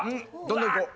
どんどんいこう。